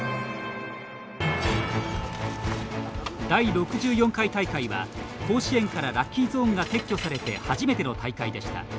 第６４回大会は、甲子園からラッキーゾーンが撤去されて初めての大会でした。